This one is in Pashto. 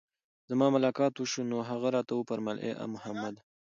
زما ملاقات وشو، نو هغه راته وفرمايل: اې محمد!